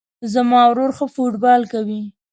زما ورور ښه فوټبال کوی